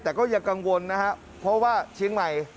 แต่ก็อย่ากังวลเพราะว่าชีวิตใหม่